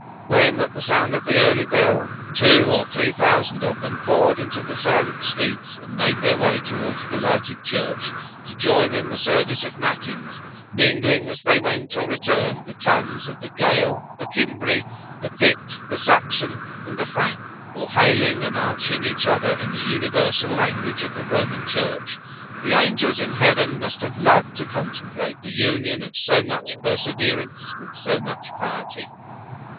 When, at the sound of the early bell, two or three thousand of them poured into the silent streets and made their way towards the lighted Church, to join in the service of matins, mingling, as they went or returned, the tongues of the Gael, the Cimbri, the Pict, the Saxon, and the Frank, or hailing and answering each other in the universal language of the Roman Church, the angels in Heaven must have loved to contemplate the union of so much perseverance with so much piety.